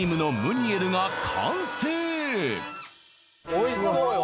おいしそうよ